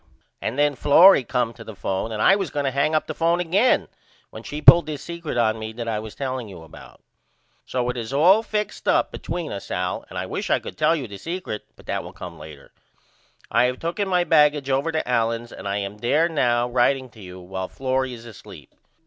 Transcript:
And then Florrie come to the phone and I was going to hang up the phone again when she pulled this secret on me that I was telling you about. So it is all fixed up between us Al and I wish I could tell you the secret but that will come later. I have tooken my baggage over to Allen's and I am there now writeing to you while Florrie is asleep.